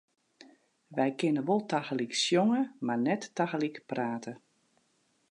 Wy kinne wol tagelyk sjonge, mar net tagelyk prate.